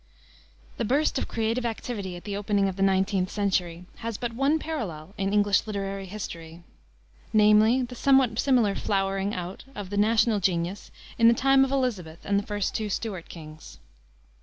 The burst of creative activity at the opening of the 19th century has but one parallel in English literary history, namely, the somewhat similar flowering out of the national genius in the time of Elisabeth and the first two Stuart kings.